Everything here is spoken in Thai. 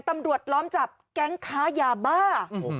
ตำรวจล้อมจับแก๊งค้ายาบ้าอุ้มอบ